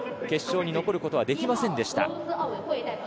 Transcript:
決勝に残ることはできませんでした。